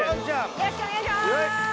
よろしくお願いします